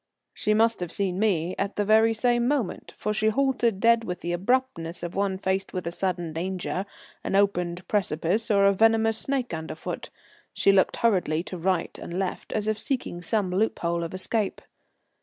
She must have seen me at the very same moment, for she halted dead with the abruptness of one faced with a sudden danger, an opened precipice, or a venomous snake under foot. She looked hurriedly to right and left, as if seeking some loophole of escape.